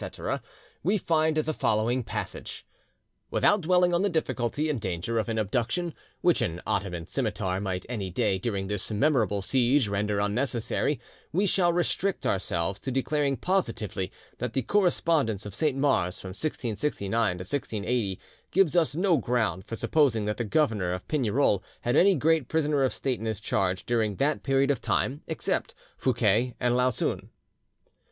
', we find the following passage:— "Without dwelling on the difficulty and danger of an abduction, which an Ottoman scimitar might any day during this memorable siege render unnecessary, we shall restrict ourselves to declaring positively that the correspondence of Saint Mars from 1669 to 1680 gives us no ground for supposing that the governor of Pignerol had any great prisoner of state in his charge during that period of time, except Fouquet and Lauzun.